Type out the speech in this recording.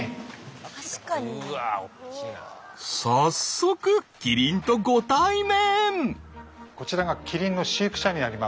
早速キリンとご対面！